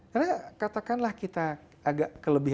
karena katakanlah kita agak kelebih kelebih